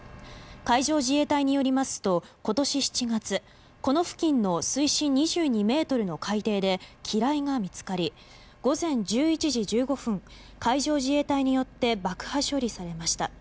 海上自衛隊によりますと今年７月この付近の水深２２ｍの海底で機雷が見つかり午前１１時１５分海上自衛隊によって爆破処理されました。